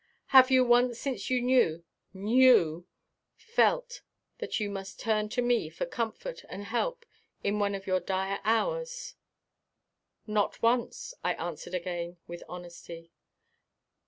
"Have you once since you knew knew felt that you must turn to me for comfort and help in one of your dire hours?" "Not once," I answered again with honesty.